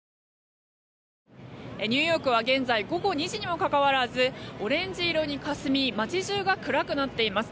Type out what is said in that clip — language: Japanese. ニューヨークは現在午後２時にもかかわらずオレンジ色にかすみ街中が暗くなっています。